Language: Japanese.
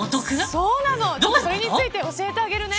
それについて教えてあげるね。